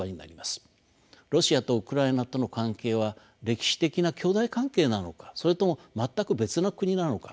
ロシアとウクライナとの関係は歴史的な兄弟関係なのかそれとも全く別の国なのか。